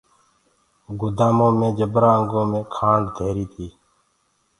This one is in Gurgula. گُدآمآ مي جبرآ انگو مي کآنڊ دهيري تي۔